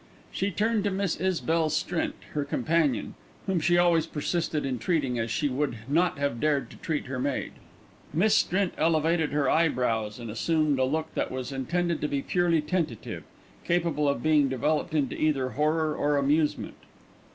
She turned to Miss Isabel Strint, her companion, whom she always persisted in treating as she would not have dared to treat her maid. Miss Strint elevated her eyebrows and assumed a look that was intended to be purely tentative, capable of being developed into either horror or amusement.